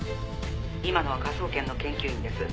「今のは科捜研の研究員です」